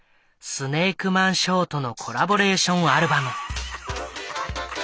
スネークマンショーとのコラボレーションアルバム。